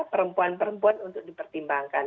perempuan perempuan untuk dipertimbangkan